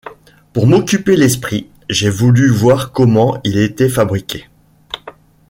Pour m’occuper l’esprit, j’ai voulu voir comment il était fabriqué...